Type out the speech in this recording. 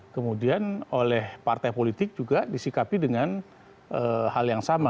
kemudian oleh partai politik juga disikapi dengan hal yang sama